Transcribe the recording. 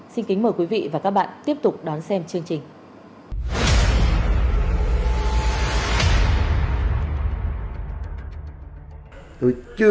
xin kính mời quý vị và các bạn tiếp tục đón xem chương trình